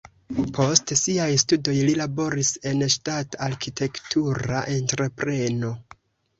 Post siaj studoj li laboris en ŝtata arkitektura entrepreno.